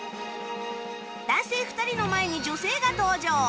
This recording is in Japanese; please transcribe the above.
男性２人の前に女性が登場